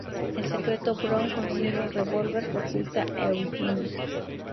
En secreto Brown consigue un revolver que oculta a Eugene.